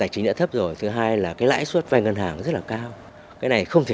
chín mươi các đại siêu thị